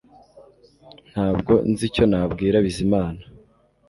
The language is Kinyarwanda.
Ntabwo nzi icyo nabwira Bizimana